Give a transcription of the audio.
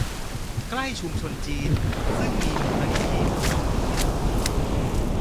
ใกล้ชุมชนจีน ซึ่งมีมูลนิธิทำนองนี้เยอะ